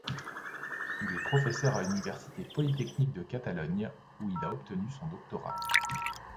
Il est professeur à l'université polytechnique de Catalogne où il a obtenu son doctorat.